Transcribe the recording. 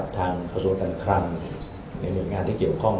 ทางประสงค์กันคลัมในบริเวณงานที่เกี่ยวข้อง